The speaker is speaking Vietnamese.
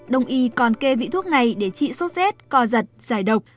đồng y còn kê vị thuốc này để trị sốt rét co giật giải độc